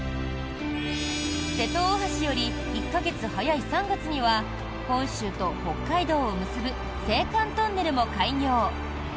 瀬戸大橋より１か月早い３月には本州と北海道を結ぶ青函トンネルも開業。